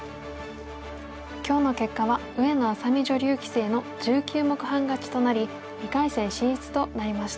今日の結果は上野愛咲美女流棋聖の１９目半勝ちとなり２回戦進出となりました。